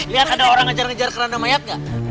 lihat ada orang ngejar ngejar kerana mayat gak